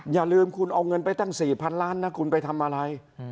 อย่าลืมคุณเอาเงินไปตั้ง๔๐๐๐ล้านนะคุณไปทำอะไร